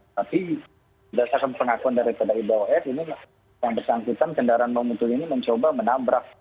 tapi berdasarkan pengakuan dari pada indah sos ini yang bersangkutan kendaraan memutuh ini mencoba menabrak